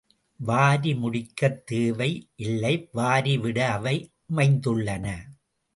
வாரி முடிக்கத் தேவை இல்லை வாரிவிட அவை அமைந்துள்ளன.